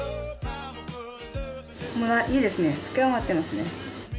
いいですね炊き上がってますね。